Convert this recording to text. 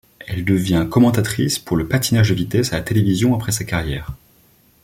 Elle devient commentatrice pour le patinage de vitesse à la télévision après sa carrière.